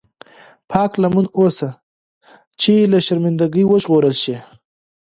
پاک لمن اوسه چې له شرمنده ګۍ وژغورل شې.